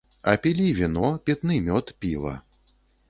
А пілі віно, пітны мёд, піва.